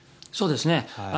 そうですね。